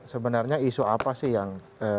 sebenarnya isu apa sih yang